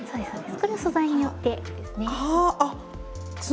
これは素材によってですね。